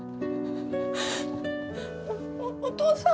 お父さん。